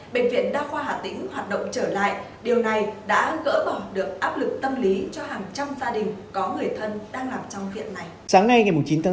bệnh viện đa khoa hà tĩnh hoạt động trở lại điều này đã gỡ bỏ được áp lực tâm lý cho hàng trăm gia đình có người thân đang làm trong viện này